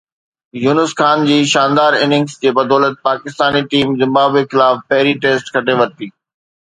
يونس خان جي شاندار اننگز جي بدولت پاڪستاني ٽيم زمبابوي خلاف پهرين ٽيسٽ کٽي ورتي.